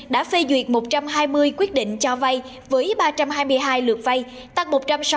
đã phê duyệt một trăm hai mươi quyết định cho vay với ba trăm hai mươi hai lượt vay tăng một trăm sáu mươi